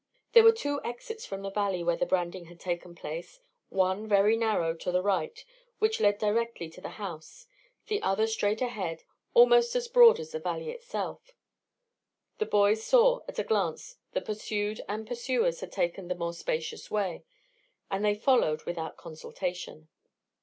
There were two exits from the valley where the branding had taken place: one, very narrow, to the right, which led directly to the house, the other straight ahead, almost as broad as the valley itself. The boys saw at a glance that pursued and pursuers had taken the more spacious way, and they followed without consultation.